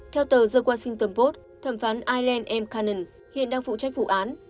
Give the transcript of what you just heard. theo tờ the washington post thẩm phán aileen m cannon hiện đang phụ trách vụ án